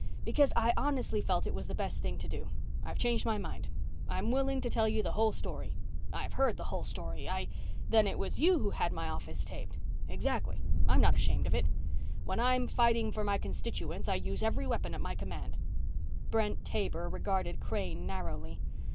"Because I honestly felt it was the best thing to do. I've changed my mind. I'm willing to tell you the whole story." "I've heard the whole story. I " "Then it was you who had my office taped." "Exactly. I'm not ashamed of it. When I'm fighting for my constituents I use every weapon at my command." Brent Taber regarded Crane narrowly.